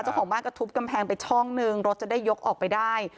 เจ้าของบ้านก็ทุบกำแพงไปช่องนึงรถจะได้ยกออกไปได้